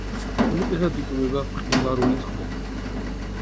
უმეტესად იკვებება მყინვარული წყლებით.